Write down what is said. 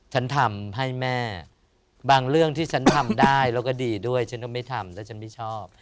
ฉันทำให้แม่บางเรื่องที่ฉันทำได้แล้วก็ดีด้วยฉันก็ไม่ทำแล้วฉันไม่ชอบ